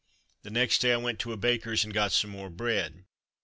The next day I went to a baker's and got some more bread.